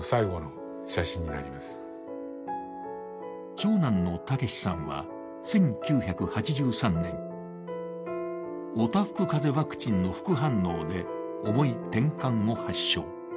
長男の雄さんは１９８３年、おたふく風邪ワクチンの副反応で重いてんかんを発症。